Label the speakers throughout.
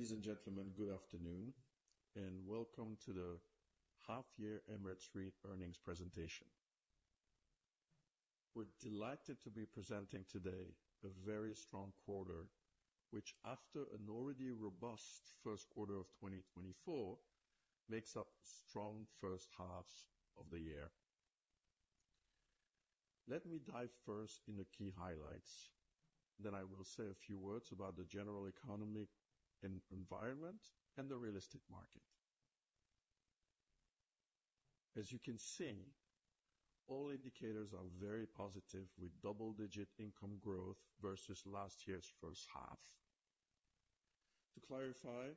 Speaker 1: ...Ladies and gentlemen, good afternoon, and welcome to the half year Emirates REIT Earnings Presentation. We're delighted to be presenting today a very strong quarter, which, after an already robust Q1 of 2024, makes up strong first halves of the year. Let me dive first in the key highlights. Then I will say a few words about the general economy and environment and the real estate market. As you can see, all indicators are very positive, with double-digit income growth versus last year's first half. To clarify,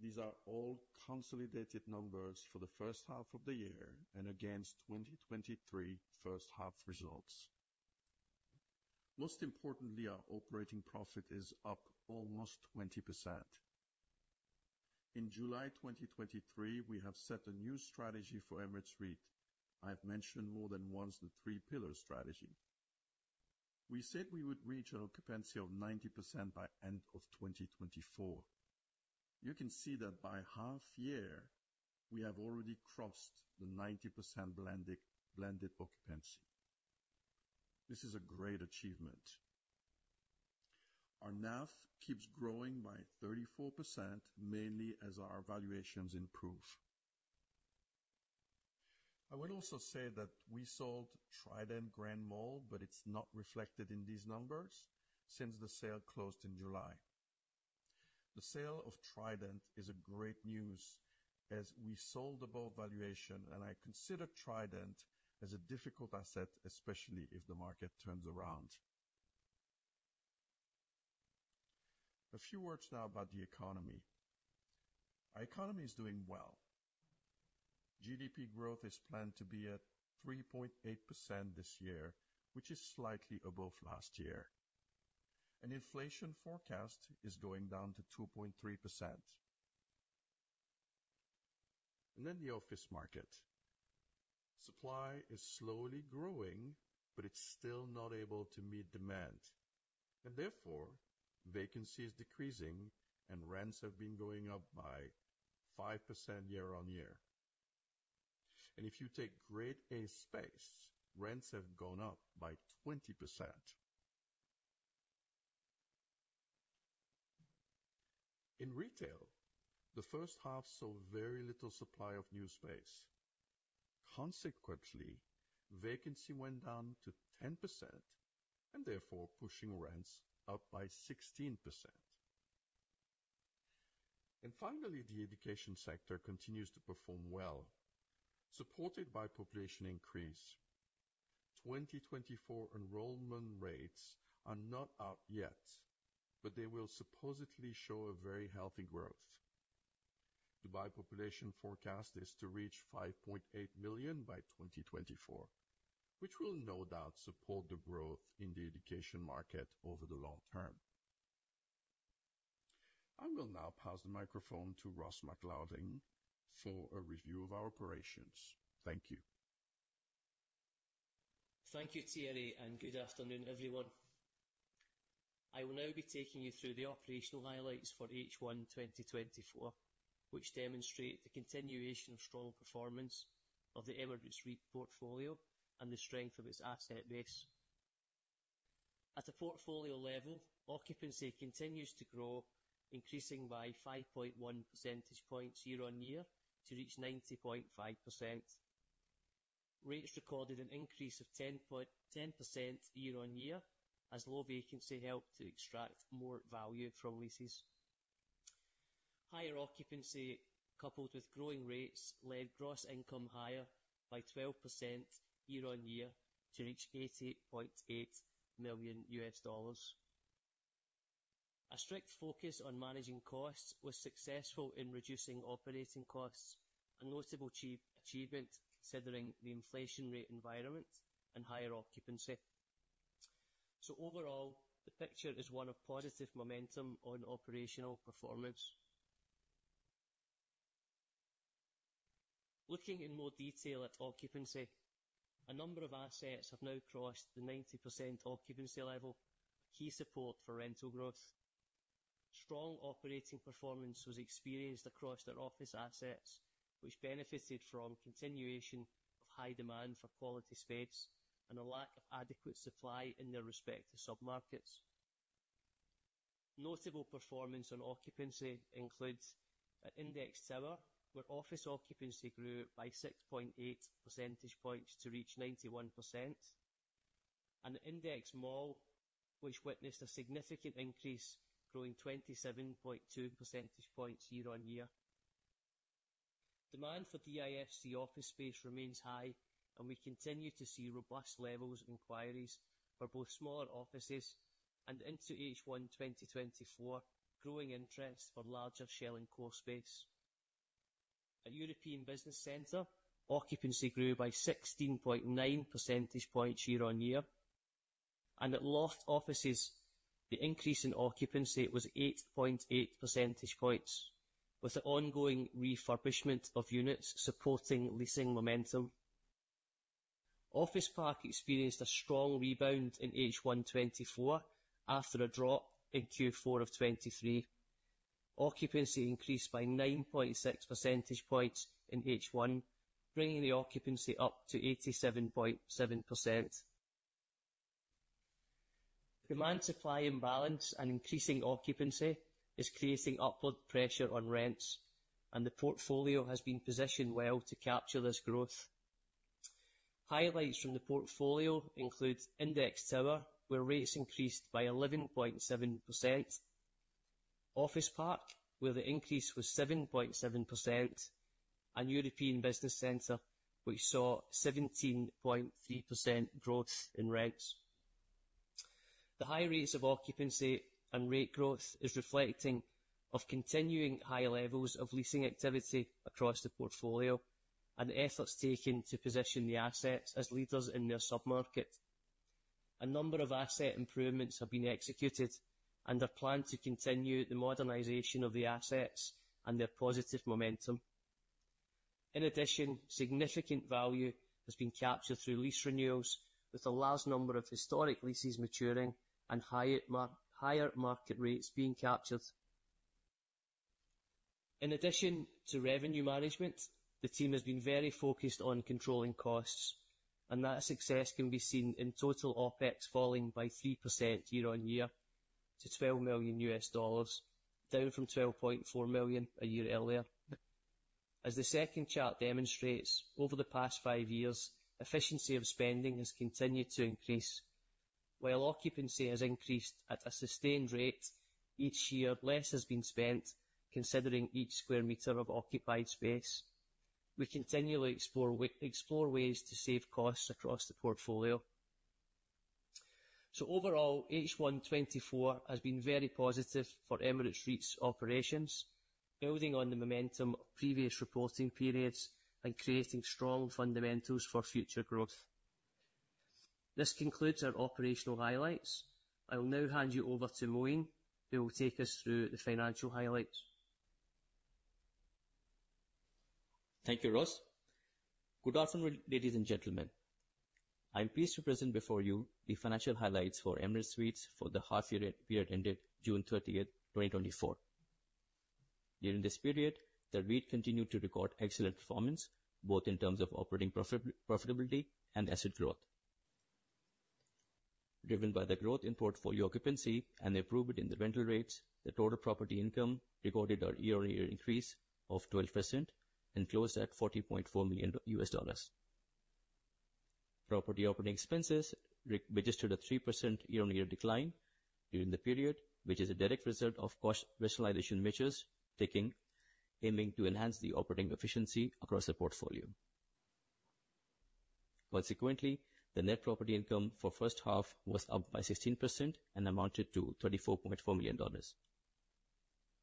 Speaker 1: these are all consolidated numbers for the first half of the year and against 2023 first half results. Most importantly, our operating profit is up almost 20%. In July 2023, we have set a new strategy for Emirates REIT. I've mentioned more than once the three pillar strategy. We said we would reach an occupancy of 90% by end of 2024. You can see that by half year, we have already crossed the 90% blended occupancy. This is a great achievement. Our NAV keeps growing by 34%, mainly as our valuations improve. I would also say that we sold Trident Grand Mall, but it's not reflected in these numbers, since the sale closed in July. The sale of Trident is a great news as we sold above valuation, and I consider Trident as a difficult asset, especially if the market turns around. A few words now about the economy. Our economy is doing well. GDP growth is planned to be at 3.8% this year, which is slightly above last year. An inflation forecast is going down to 2.3%, and then the office market. Supply is slowly growing, but it's still not able to meet demand, and therefore, vacancy is decreasing and rents have been going up by 5% year on year. If you take Grade A space, rents have gone up by 20%. In retail, the first half saw very little supply of new space. Consequently, vacancy went down to 10% and therefore pushing rents up by 16%. Finally, the education sector continues to perform well, supported by population increase. 2024 enrollment rates are not out yet, but they will supposedly show a very healthy growth. Dubai population forecast is to reach 5.8 million by 2024, which will no doubt support the growth in the education market over the long term. I will now pass the microphone to Ross McLaughlin for a review of our operations. Thank you.
Speaker 2: Thank you, Thierry, and good afternoon, everyone. I will now be taking you through the operational highlights for H1 2024, which demonstrate the continuation of strong performance of the Emirates REIT portfolio and the strength of its asset base. At a portfolio level, occupancy continues to grow, increasing by 5.1 percentage points year on year to reach 90.5%. Rates recorded an increase of 10% year on year, as low vacancy helped to extract more value from leases. Higher occupancy, coupled with growing rates, led gross income higher by 12% year on year to reach $88.8 million. A strict focus on managing costs was successful in reducing operating costs, a notable achievement, considering the inflation rate environment and higher occupancy. Overall, the picture is one of positive momentum on operational performance. Looking in more detail at occupancy, a number of assets have now crossed the 90% occupancy level, key support for rental growth. Strong operating performance was experienced across their office assets, which benefited from continuation of high demand for quality space and a lack of adequate supply in their respective submarkets. Notable performance on occupancy includes an Index Tower, where office occupancy grew by 6.8 percentage points to reach 91%, and the Index Mall, which witnessed a significant increase, growing 27.2 percentage points year on year. Demand for DIFC office space remains high, and we continue to see robust levels of inquiries for both smaller offices and into H1 2024, growing interest for larger shell and core space. At European Business Centre, occupancy grew by 16.9 percentage points year on year, and at Loft Offices, the increase in occupancy was 8.8 percentage points, with the ongoing refurbishment of units supporting leasing momentum... Office Park experienced a strong rebound in H1 2024 after a drop in Q4 of 2023. Occupancy increased by 9.6 percentage points in H1, bringing the occupancy up to 87.7%. Demand, supply, and balance and increasing occupancy is creating upward pressure on rents, and the portfolio has been positioned well to capture this growth. Highlights from the portfolio include Index Tower, where rates increased by 11.7%. Office Park, where the increase was 7.7%, and European Business Centre, which saw 17.3% growth in rents. The high rates of occupancy and rate growth is reflecting of continuing high levels of leasing activity across the portfolio and efforts taken to position the assets as leaders in their submarket. A number of asset improvements have been executed and are planned to continue the modernization of the assets and their positive momentum. In addition, significant value has been captured through lease renewals, with a large number of historic leases maturing and higher market rates being captured. In addition to revenue management, the team has been very focused on controlling costs, and that success can be seen in total OpEx falling by 3% year on year to $12 million, down from $12.4 million a year earlier. As the second chart demonstrates, over the past five years, efficiency of spending has continued to increase. While occupancy has increased at a sustained rate, each year less has been spent considering each square meter of occupied space. We continually explore ways to save costs across the portfolio. Overall, H1 2024 has been very positive for Emirates REIT's operations, building on the momentum of previous reporting periods and creating strong fundamentals for future growth. This concludes our operational highlights. I will now hand you over to Moeen, who will take us through the financial highlights.
Speaker 3: Thank you, Ross. Good afternoon, ladies and gentlemen. I'm pleased to present before you the financial highlights for Emirates REIT for the half year end, period ended June thirtieth, 2024. During this period, the REIT continued to record excellent performance, both in terms of operating profitability and asset growth. Driven by the growth in portfolio occupancy and improvement in the rental rates, the total property income recorded a year-on-year increase of 12% and closed at $40.4 million. Property operating expenses registered a 3% year-on-year decline during the period, which is a direct result of cost rationalization measures aiming to enhance the operating efficiency across the portfolio. Consequently, the net property income for first half was up by 16% and amounted to $34.4 million.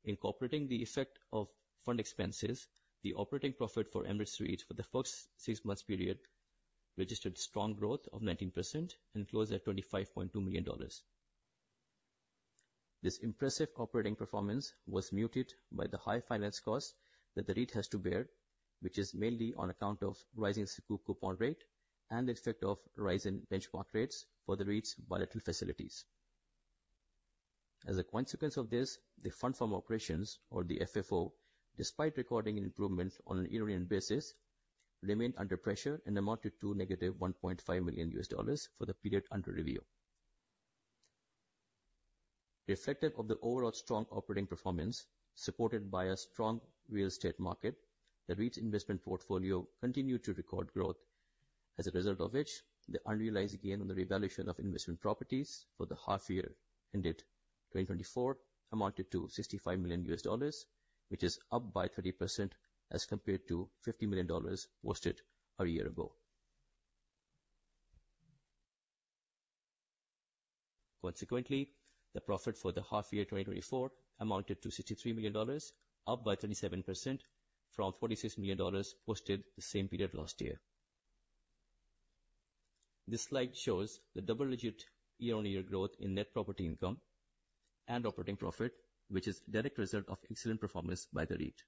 Speaker 3: Incorporating the effect of fund expenses, the operating profit for Emirates REIT for the first six months period registered strong growth of 19% and closed at $25.2 million. This impressive operating performance was muted by the high finance cost that the REIT has to bear, which is mainly on account of rising coupon rate and the effect of rise in benchmark rates for the REIT's bilateral facilities. As a consequence of this, the Funds From Operations, or the FFO, despite recording an improvement on a year-on-year basis, remained under pressure and amounted to -$1.5 million for the period under review. Reflective of the overall strong operating performance, supported by a strong real estate market, the REIT's investment portfolio continued to record growth. As a result of which, the unrealized gain on the revaluation of investment properties for the half year ended 2024 amounted to $65 million, which is up by 30% as compared to $50 million posted a year ago. Consequently, the profit for the half year 2024 amounted to $63 million, up by 37% from $46 million posted the same period last year. This slide shows the double-digit year-on-year growth in net property income and operating profit, which is a direct result of excellent performance by the REIT.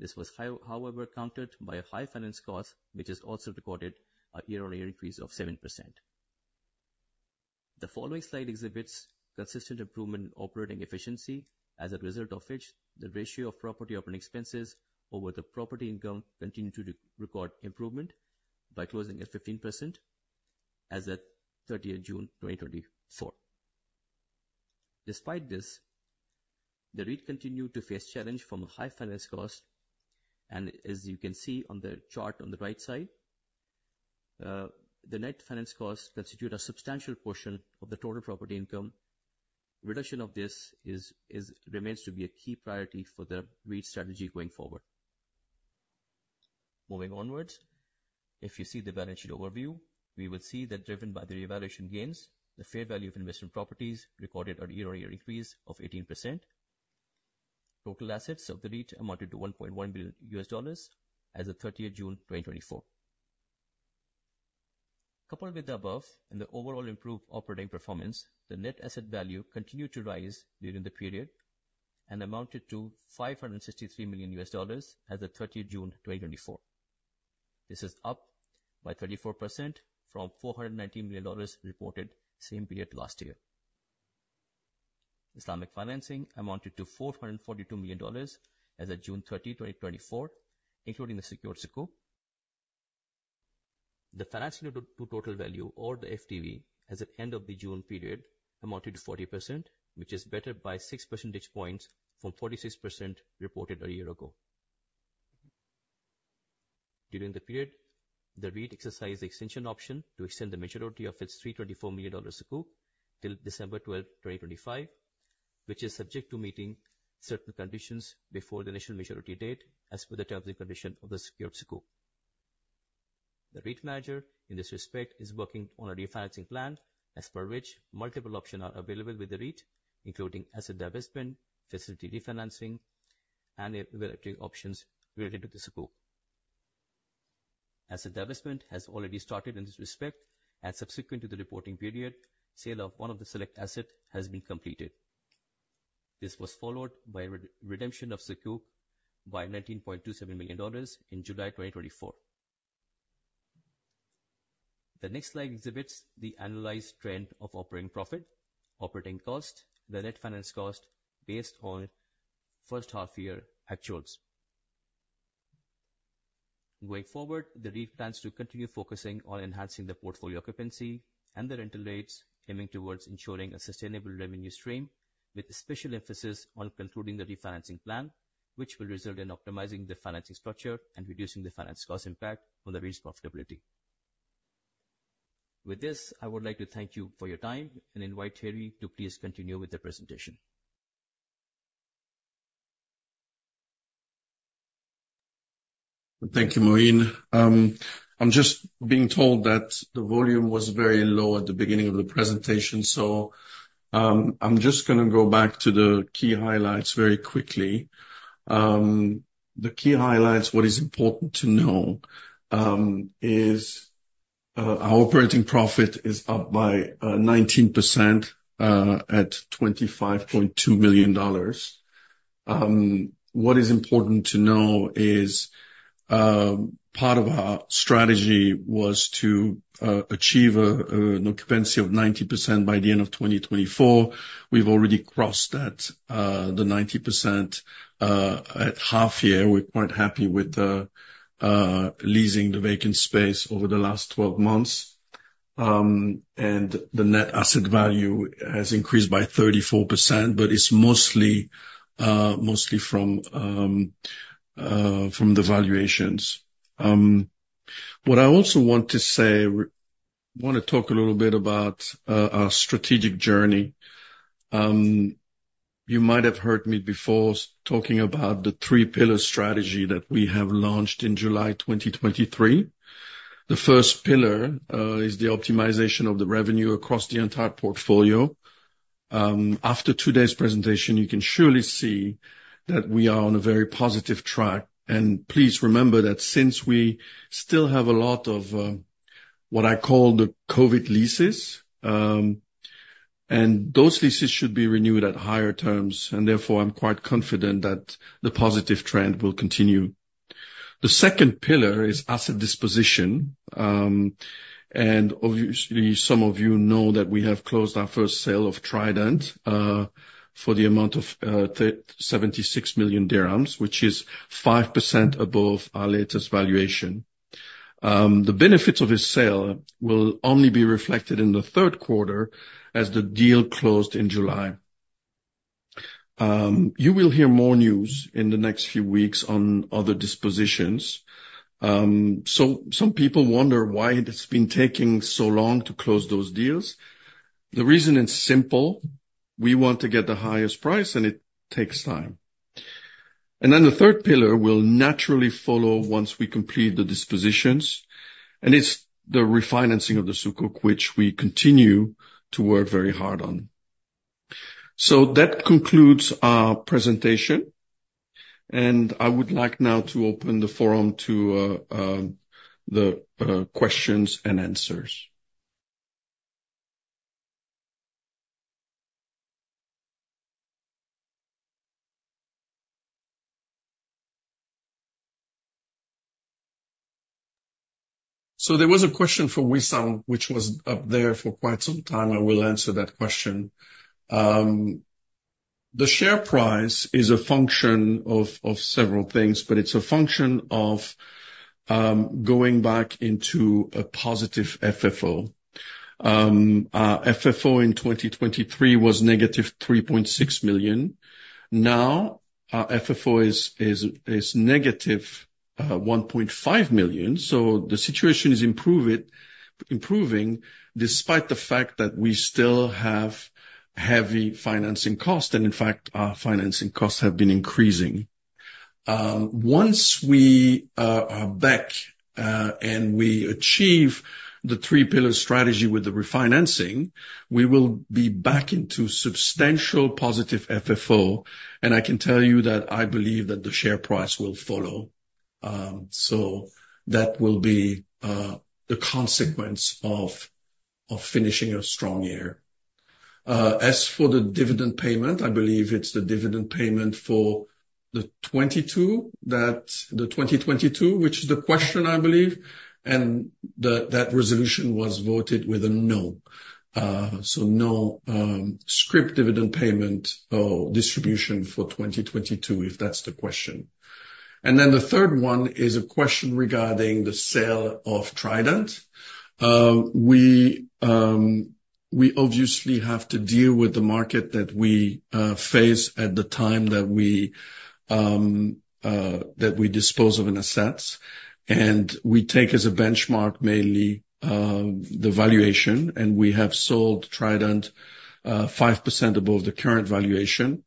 Speaker 3: This was, however, countered by a high finance cost, which has also recorded a year-on-year increase of 7%. The following slide exhibits consistent improvement in operating efficiency, as a result of which the ratio of property operating expenses over the property income continued to record improvement by closing at 15% as at 30th June 2024. Despite this, the REIT continued to face challenge from a high finance cost, and as you can see on the chart on the right side, the net finance costs constitute a substantial portion of the total property income. Reduction of this remains to be a key priority for the REIT's strategy going forward. Moving onwards, if you see the financial overview, we will see that driven by the revaluation gains, the fair value of investment properties recorded a year-on-year increase of 18%. Total assets of the REIT amounted to $1.1 billion as of 30th June 2024. Coupled with the above and the overall improved operating performance, the net asset value continued to rise during the period, and amounted to $563 million as of 30 June 2024. This is up by 34% from $490 million reported same period last year. Islamic financing amounted to $442 million as of 30 June 2024, including the secured Sukuk. The finance to total value or the FTV as at end of the June period amounted to 40%, which is better by six percentage points from 46% reported a year ago. During the period, the REIT exercised the extension option to extend the maturity of its $324 million Sukuk till 12th December, 2025, which is subject to meeting certain conditions before the initial maturity date, as per the terms and conditions of the secured Sukuk. The REIT manager, in this respect, is working on a refinancing plan as per which multiple options are available with the REIT, including asset divestment, facility refinancing, and evaluating options related to the Sukuk. Asset divestment has already started in this respect, and subsequent to the reporting period, sale of one of the select assets has been completed. This was followed by redemption of Sukuk by $19.27 million in July 2024. The next slide exhibits the analyzed trend of operating profit, operating cost, the net finance cost based on first half year actuals. Going forward, the REIT plans to continue focusing on enhancing the portfolio occupancy and the rental rates, aiming towards ensuring a sustainable revenue stream, with special emphasis on concluding the refinancing plan, which will result in optimizing the financing structure and reducing the finance cost impact on the REIT's profitability. With this, I would like to thank you for your time and invite Thierry to please continue with the presentation.
Speaker 1: Thank you, Moeen. I'm just being told that the volume was very low at the beginning of the presentation, so, I'm just gonna go back to the key highlights very quickly. The key highlights, what is important to know, is our operating profit is up by 19% at $25.2 million. What is important to know is part of our strategy was to achieve an occupancy of 90% by the end of 2024. We've already crossed that, the 90%, at half year. We're quite happy with the leasing the vacant space over the last twelve months. And the net asset value has increased by 34%, but it's mostly from the valuations. What I also want to say, we wanna talk a little bit about our strategic journey. You might have heard me before talking about the three pillar strategy that we have launched in July 2023. The first pillar is the optimization of the revenue across the entire portfolio. After today's presentation, you can surely see that we are on a very positive track. And please remember that since we still have a lot of what I call the COVID leases, and those leases should be renewed at higher terms, and therefore, I'm quite confident that the positive trend will continue. The second pillar is asset disposition. And obviously, some of you know that we have closed our first sale of Trident for the amount of 76 million dirhams, which is 5% above our latest valuation. The benefits of this sale will only be reflected in the Q3 as the deal closed in July. You will hear more news in the next few weeks on other dispositions. So some people wonder why it has been taking so long to close those deals. The reason is simple: We want to get the highest price, and it takes time. And then the third pillar will naturally follow once we complete the dispositions, and it's the refinancing of the Sukuk, which we continue to work very hard on. So that concludes our presentation, and I would like now to open the forum to the questions and answers. So there was a question for Wisam, which was up there for quite some time. I will answer that question. The share price is a function of several things, but it's a function of going back into a positive FFO. Our FFO in 2023 was negative 3.6 million. Now, our FFO is negative 1.5 million. The situation is improving, despite the fact that we still have heavy financing costs, and in fact, our financing costs have been increasing. Once we are back and we achieve the three pillar strategy with the refinancing, we will be back into substantial positive FFO, and I can tell you that I believe that the share price will follow. So that will be the consequence of finishing a strong year. As for the dividend payment, I believe it's the dividend payment for the 2022, that, the 2022, which is the question, I believe, and the, that resolution was voted with a no. So no, scrip dividend payment or distribution for 2022, if that's the question. And then the third one is a question regarding the sale of Trident. We obviously have to deal with the market that we face at the time that we dispose of an assets. And we take as a benchmark, mainly, the valuation, and we have sold Trident, 5% above the current valuation.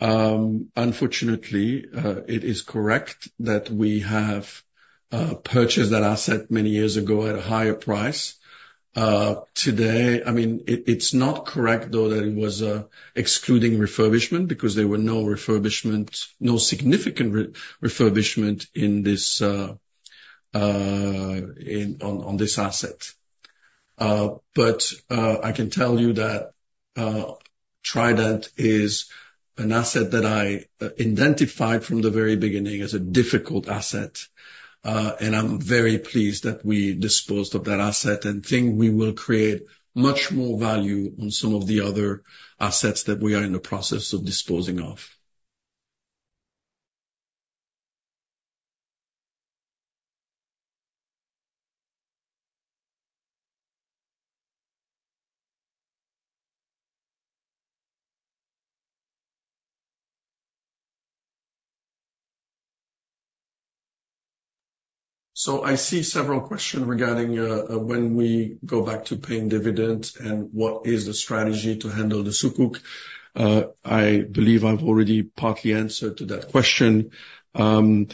Speaker 1: Unfortunately, it is correct that we have purchased that asset many years ago at a higher price. Today, I mean, it's not correct, though, that it was excluding refurbishment, because there were no refurbishment, no significant refurbishment in on this asset. But I can tell you that Trident is an asset that I identified from the very beginning as a difficult asset, and I'm very pleased that we disposed of that asset, and think we will create much more value on some of the other assets that we are in the process of disposing of. So I see several questions regarding when we go back to paying dividends and what is the strategy to handle the Sukuk. I believe I've already partly answered to that question. You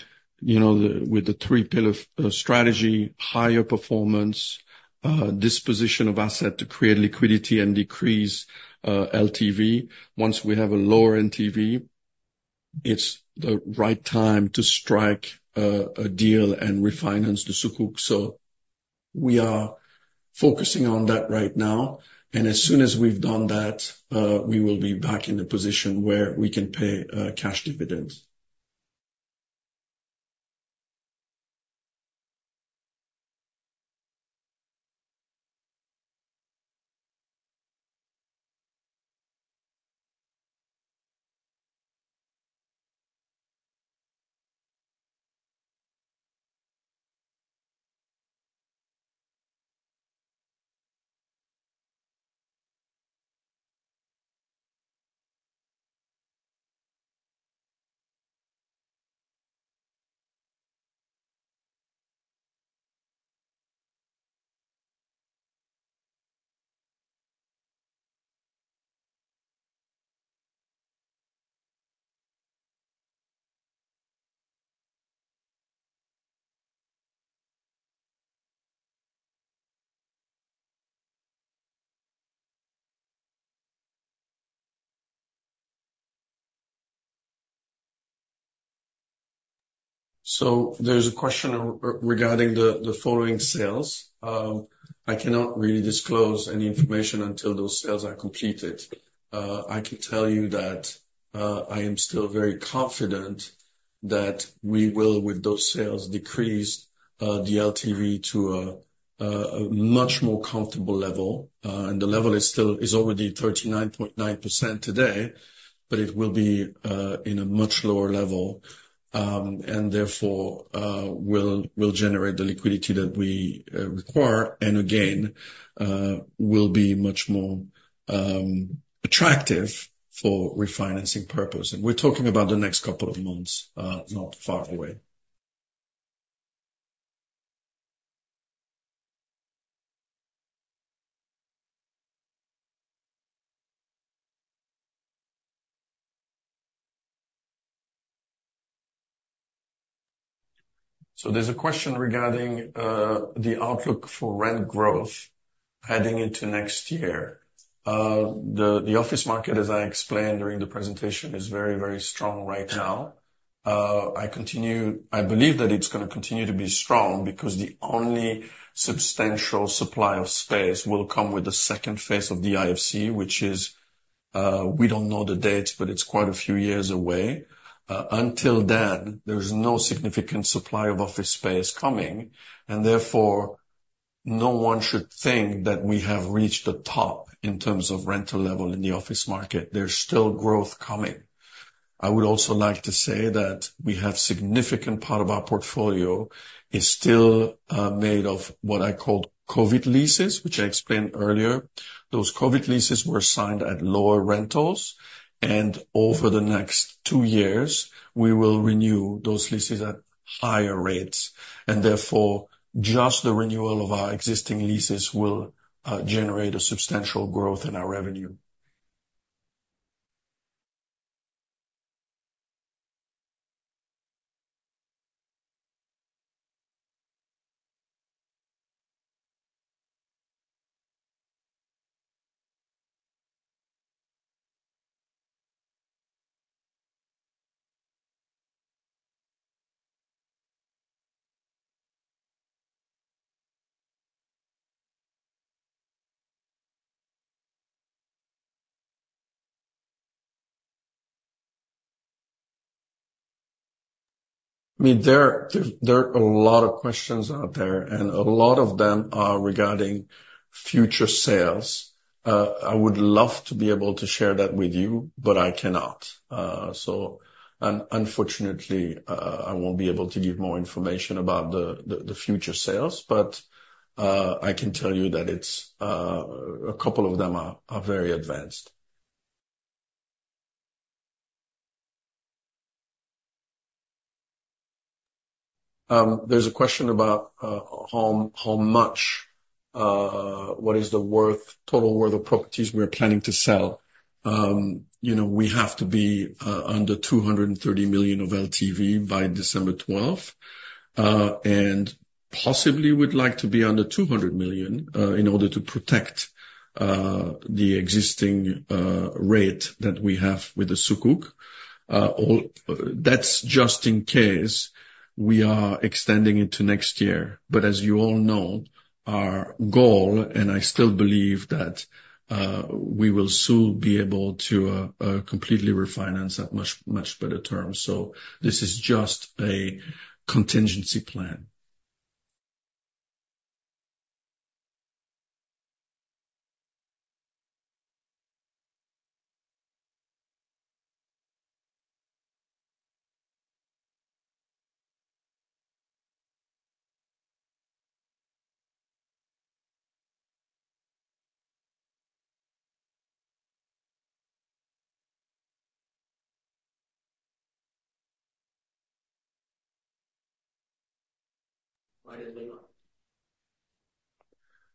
Speaker 1: know, with the three pillar strategy, higher performance, disposition of asset to create liquidity and decrease LTV. Once we have a lower LTV, it's the right time to strike a deal and refinance the Sukuk. So we are focusing on that right now, and as soon as we've done that, we will be back in the position where we can pay cash dividends. So there's a question regarding the following sales. I cannot really disclose any information until those sales are completed. I can tell you that I am still very confident that we will, with those sales, decrease the LTV to a much more comfortable level. And the level is already 39.9% today, but it will be in a much lower level, and therefore will generate the liquidity that we require, and again will be much more attractive for refinancing purpose. We're talking about the next couple of months, not far away. There's a question regarding the outlook for rent growth heading into next year. The office market, as I explained during the presentation, is very, very strong right now. I believe that it's gonna continue to be strong, because the only substantial supply of space will come with the second phase of the DIFC, which, we don't know the date, but it's quite a few years away. Until then, there's no significant supply of office space coming, and therefore, no one should think that we have reached the top in terms of rental level in the office market. There's still growth coming. I would also like to say that we have significant part of our portfolio is still made of what I call COVID leases, which I explained earlier. Those COVID leases were signed at lower rentals, and over the next two years, we will renew those leases at higher rates, and therefore just the renewal of our existing leases will generate a substantial growth in our revenue. I mean, there are a lot of questions out there, and a lot of them are regarding future sales. I would love to be able to share that with you, but I cannot, so unfortunately I won't be able to give more information about the future sales, but I can tell you that it's a couple of them are very advanced. There's a question about how much, what is the worth, total worth of properties we are planning to sell? You know, we have to be under 230 million of LTV by 12th December, and possibly we'd like to be under 200 million, in order to protect the existing rate that we have with the Sukuk, or that's just in case we are extending into next year. But as you all know, our goal, and I still believe that we will soon be able to completely refinance at much, much better terms. So this is just a contingency plan.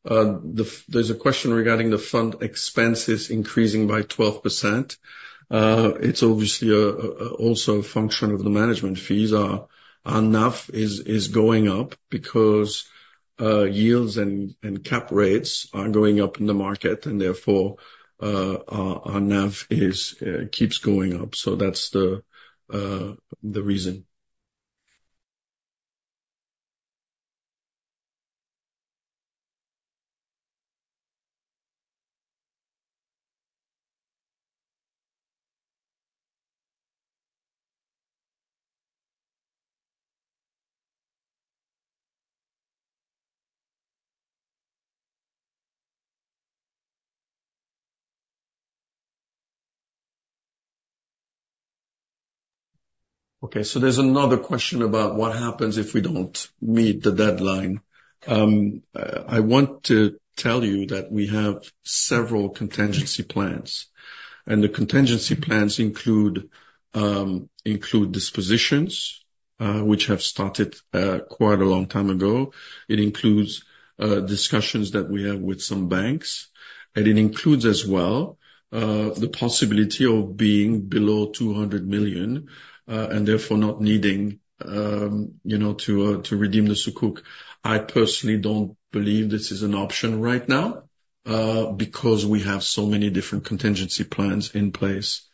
Speaker 1: There's a question regarding the fund expenses increasing by 12%. It's obviously also a function of the management fees. Our NAV is going up because yields and cap rates are going up in the market, and therefore our NAV keeps going up. So that's the reason. Okay, so there's another question about what happens if we don't meet the deadline. I want to tell you that we have several contingency plans, and the contingency plans include dispositions which have started quite a long time ago. It includes discussions that we have with some banks, and it includes as well the possibility of being below 200 million and therefore not needing you know to redeem the Sukuk. I personally don't believe this is an option right now because we have so many different contingency plans in place.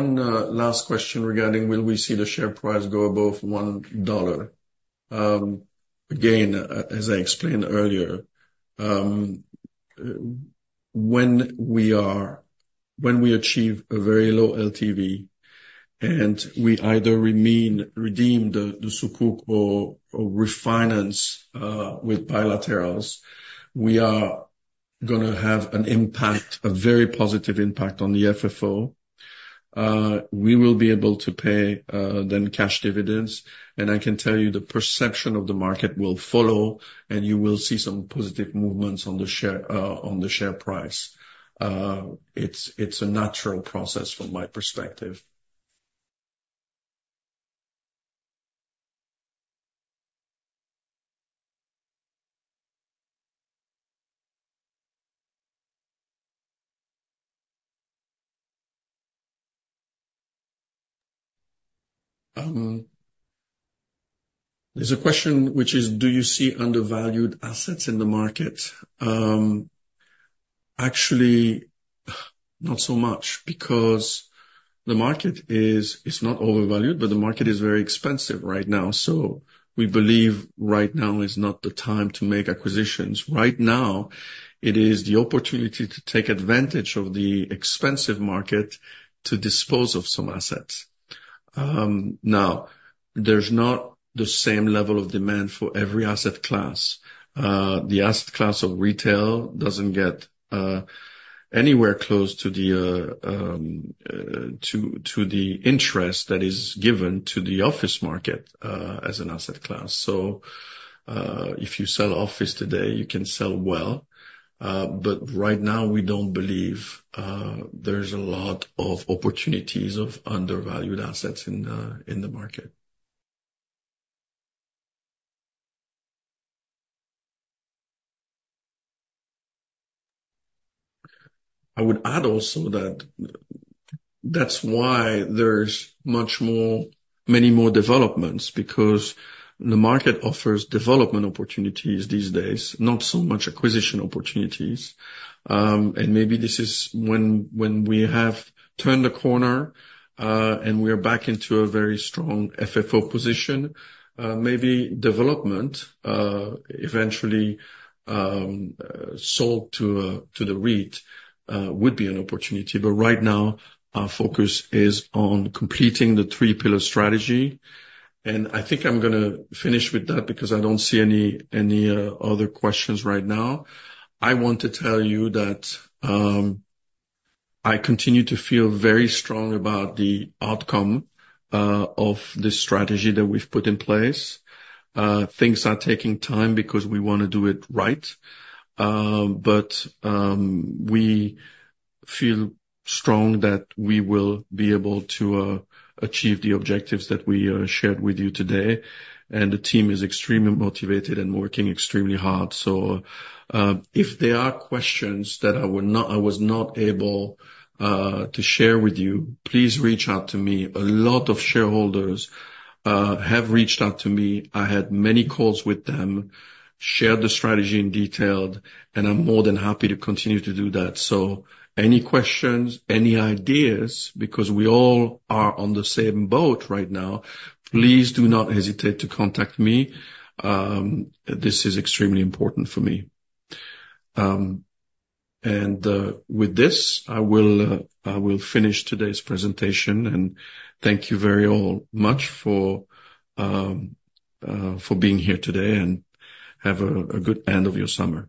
Speaker 1: One last question regarding will we see the share price go above $1? Again, as I explained earlier, when we achieve a very low LTV, and we either redeem the Sukuk or refinance with bilaterals, we are gonna have an impact, a very positive impact, on the FTV. We will be able to pay then cash dividends, and I can tell you the perception of the market will follow, and you will see some positive movements on the share price. It's a natural process from my perspective. There's a question which is: Do you see undervalued assets in the market? Actually, not so much, because the market is not overvalued, but the market is very expensive right now. So we believe right now is not the time to make acquisitions. Right now, it is the opportunity to take advantage of the expensive market to dispose of some assets. There's not the same level of demand for every asset class. The asset class of retail doesn't get anywhere close to the interest that is given to the office market, as an asset class. So, if you sell office today, you can sell well. But right now, we don't believe there's a lot of opportunities of undervalued assets in the market. I would add also that that's why there's much more, many more developments, because the market offers development opportunities these days, not so much acquisition opportunities. And maybe this is when we have turned the corner, and we are back into a very strong FFO position. Maybe development eventually sold to the REIT would be an opportunity. But right now, our focus is on completing the three pillar strategy, and I think I'm gonna finish with that because I don't see any other questions right now. I want to tell you that I continue to feel very strong about the outcome of this strategy that we've put in place. Things are taking time because we wanna do it right. But we feel strong that we will be able to achieve the objectives that we shared with you today. And the team is extremely motivated and working extremely hard. So, if there are questions that I was not able to share with you, please reach out to me. A lot of shareholders have reached out to me. I had many calls with them, shared the strategy in detail, and I'm more than happy to continue to do that. So any questions, any ideas, because we all are on the same boat right now, please do not hesitate to contact me. This is extremely important for me. And with this, I will finish today's presentation, and thank you very much for being here today, and have a good end of your summer.